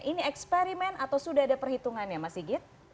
ini eksperimen atau sudah ada perhitungan ya mas sigit